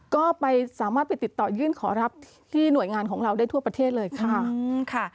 ก็ไปสามารถไปติดต่อยื่นขอรับที่หน่วยงานของเราได้ทั่วประเทศเลยค่ะ